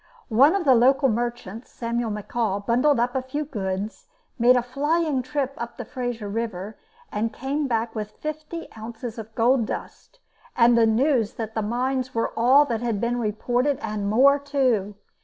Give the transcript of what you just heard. One of the local merchants, Samuel McCaw, bundled up a few goods, made a flying trip up Fraser River, and came back with fifty ounces of gold dust and the news that the mines were all that had been reported and more, too.